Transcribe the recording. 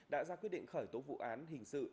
đã ra quyết định khởi tố vụ án hình sự